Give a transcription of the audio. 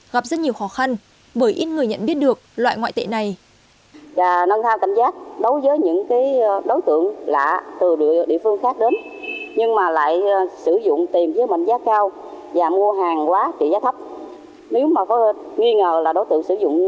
gặp rất nhiều khó khăn bởi ít người nhận biết được loại ngoại tệ này